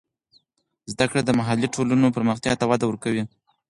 زده کړه د محلي ټولنو پرمختیا ته وده ورکوي.